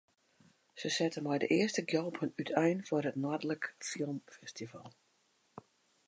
Se sette mei de earste gjalpen útein foar it Noardlik Film Festival.